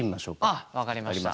ああ分かりました。